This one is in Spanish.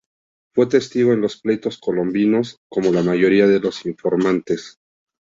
Fue testigo en los pleitos colombinos, como la mayoría de los informantes.